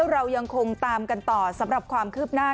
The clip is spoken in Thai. เรายังคงตามกันต่อสำหรับความคืบหน้า